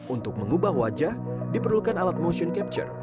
untuk mengubah wajah diperlukan alat motion capture